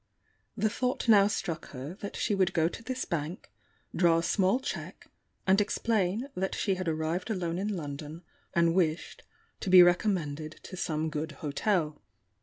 The thought now struck her that she would go to this bank, draw a small cheque, and explain that she had arrived alone in London, and wished to be recommended to some good hotel.